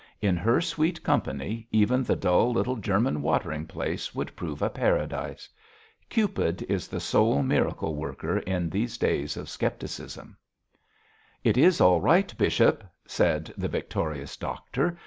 In her sweet company even the dull little German watering place would prove a Paradise. Cupid is the sole miracle worker in these days of scepticism. 'It is all right, bishop!' said the victorious doctor.